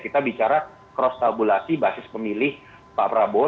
kita bicara cross tabulasi basis pemilih pak prabowo